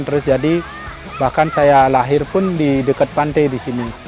terus jadi bahkan saya lahir pun di dekat pantai di sini